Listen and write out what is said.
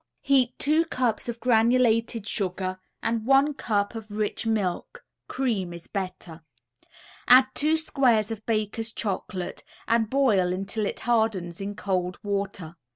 ] Heat two cups of granulated sugar and one cup of rich milk (cream is better). Add two squares of Baker's Chocolate, and boil until it hardens in cold water.